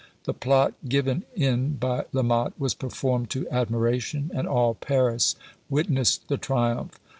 The plot given in by La Motte was performed to admiration; and all Paris witnessed the triumph.